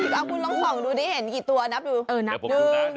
นั่นแน่นั่นหรอกก็๗๒๐